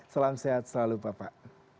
salam sehat selalu bapak